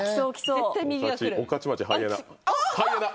御徒町ハイエナ。